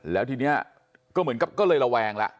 แล้วทีนี้ก็เหมือนกับก็เลยระแวงละ